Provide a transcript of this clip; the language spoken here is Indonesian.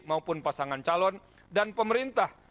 maupun pasangan calon dan pemerintah